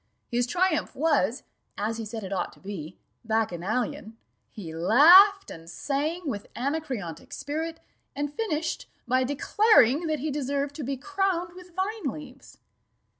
His triumph was, as he said it ought to be, bacchanalian: he laughed and sang with anacreontic spirit, and finished by declaring that he deserved to be crowned with vine leaves.